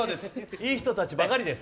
いい人たちばかりです。